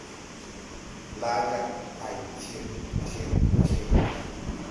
Laa jag pay tir, tir, tir.